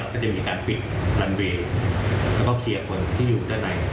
ก็จะมีการปิดลันเวย์แล้วก็เคลียร์คนที่อยู่ด้านใน